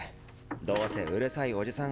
どうせ「うるさいおじさん」